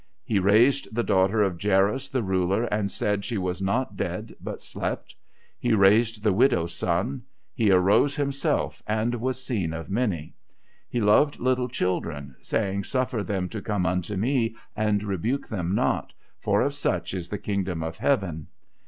He raised the daughter of Jairus the ruler, and said she was not dead but slept. He raised the widow's son. He arose Himself, and was seen of many. He loved little children, saying. Suffer them to come unto Me and rebuke them not, for of such is the kingdom of heaven.